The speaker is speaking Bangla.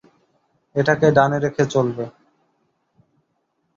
এটাকে ডানে রেখে চলবে।